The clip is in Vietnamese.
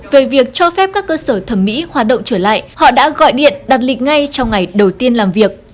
về việc cho phép các cơ sở thẩm mỹ hoạt động trở lại họ đã gọi điện đặt lịch ngay trong ngày đầu tiên làm việc